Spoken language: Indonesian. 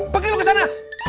pergi lo kesana